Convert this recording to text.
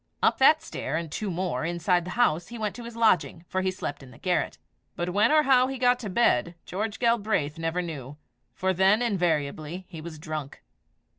Up that stair, and two more inside the house, he went to his lodging, for he slept in the garret. But when or how he got to bed, George Galbraith never knew, for then, invariably, he was drunk.